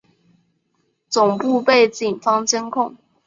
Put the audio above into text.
总部被警方监控。